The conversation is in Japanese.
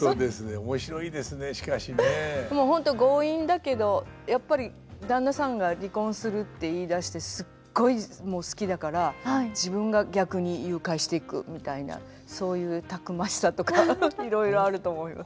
もうホント強引だけどやっぱり旦那さんが離婚するって言いだしてすっごい好きだから自分が逆に誘拐していくみたいなそういうたくましさとかいろいろあると思います。